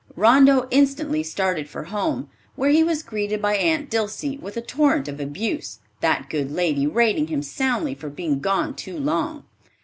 Rondeau instantly started for home, where he was greeted by Aunt Dilsey with a torrent of abuse, that good lady rating him soundly for being gone too long.